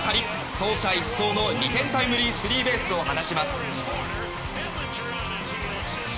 走者一掃の２点タイムリースリーベースを放ちます。